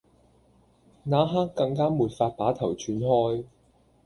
那刻更加沒法把頭轉開